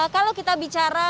kalau kita bicara